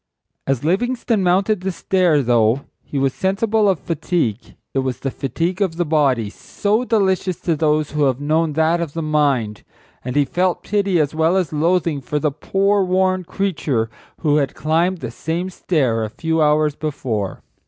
As Livingstone mounted the stair, though he was sensible of fatigue it was the fatigue of the body, so delicious to those who have known that of the mind. And he felt pity as well as loathing for the poor, worn creature who had climbed the same stair a few hours before.